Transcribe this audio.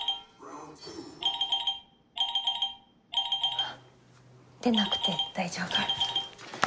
あっ出なくて大丈夫。